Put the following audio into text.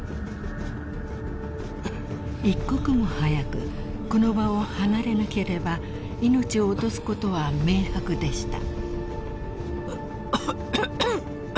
［一刻も早くこの場を離れなければ命を落とすことは明白でした］